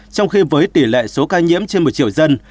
trong khi với tỷ lệ số ca nhiễm trên một triệu dân